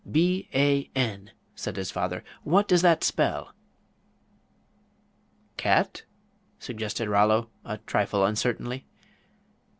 "B a n," said his father, "what does that spell?" "Cat?" suggested Rollo, a trifle uncertainly.